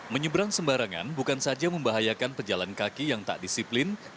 menyeberang sembarangan bukan saja membahayakan pejalan kaki yang tak disiplin